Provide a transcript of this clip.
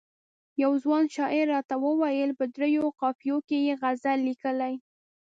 یوه ځوان شاعر راته وویل په دریو قافیو کې یې غزل لیکلی.